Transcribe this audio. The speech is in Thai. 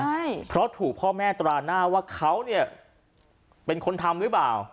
ใช่เพราะถูกพ่อแม่ตราหน้าว่าเขาเนี่ยเป็นคนทำหรือเปล่า